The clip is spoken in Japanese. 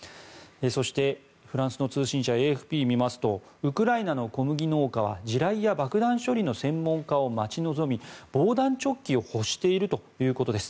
そして、フランスの通信社ＡＦＰを見ますとウクライナの小麦農家は地雷や爆弾処理の専門家を待ち望み、防弾チョッキを欲しているということです。